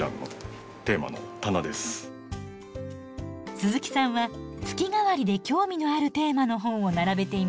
鈴木さんは月替わりで興味のあるテーマの本を並べています。